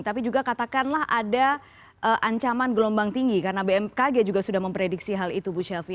tapi juga katakanlah ada ancaman gelombang tinggi karena bmkg juga sudah memprediksi hal itu bu shelfie